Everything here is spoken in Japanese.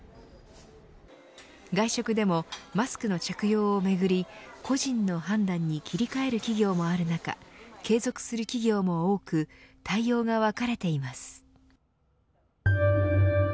外食でもマスクの着用をめぐり個人の判断に切り替える企業もある中継続する企業も多く対応が分かれています。